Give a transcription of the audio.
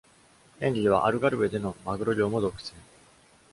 ヘンリーはアルガルヴェでのマグロ漁も独占。